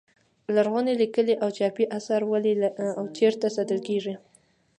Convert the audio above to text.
لرغوني لیکلي او چاپي اثار ولې او چیرې ساتل کیږي.